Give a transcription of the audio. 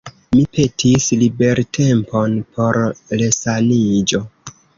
Mi petis libertempon por resaniĝo.